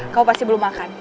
kamu pasti belum makan